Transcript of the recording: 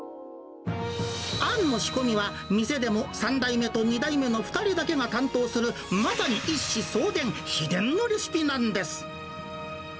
あんの仕込みは、店でも３代目と２代目の二人だけが担当する、まさに一子相伝、秘伝のレシピなんです。